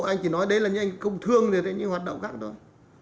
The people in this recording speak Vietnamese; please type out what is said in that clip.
anh chỉ nói đấy là những công thương những hoạt động khác thôi